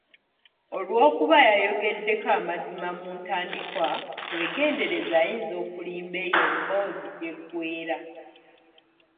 Olwokuba yayogeddeko amazima mu ntandikwa; weegendereze ayinza okulimba eyo emboozi gy’eggweera.